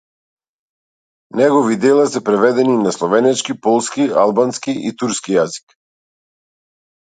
Негови дела се преведени на словенечки, полски, албански и турски јазик.